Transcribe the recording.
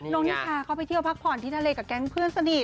น้องนิชาก็ไปเที่ยวพักผ่อนกับแกงกับเพื่อนสนิท